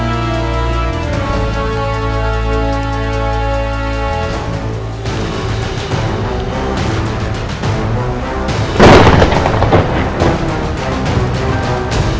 aku adalah saksinya